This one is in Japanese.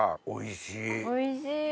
おいしい。